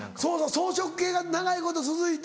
草食系が長いこと続いて。